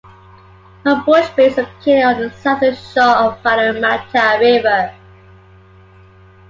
Homebush Bay is located on the southern shore of Parramatta River.